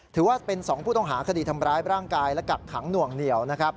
ถือว่าเป็น๒ผู้ต้องหาคดีทำร้ายร่างกายและกักขังหน่วงเหนียวนะครับ